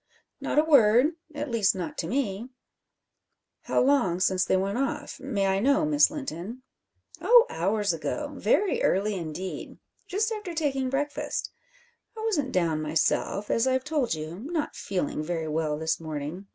"Not a word at least not to me." "How long since they went off may I know, Miss Linton?" "Oh, hours ago! Very early, indeed just after taking breakfast. I wasn't down myself as I've told you, not feeling very well this morning.